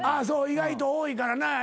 そう意外と多いからな。